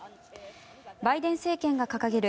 バイデン政権が掲げる